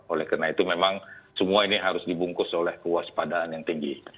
oleh karena itu memang semua ini harus dibungkus oleh kewaspadaan yang tinggi